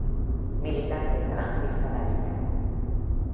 Militante falangista gaditano.